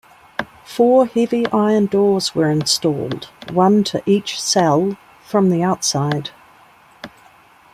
Four heavy iron doors were installed, one to each cell, from the outside.